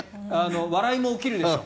笑いも起きるでしょう